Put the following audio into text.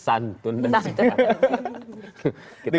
santun dan simpatik